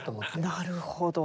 なるほど。